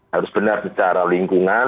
harus benar secara lingkungan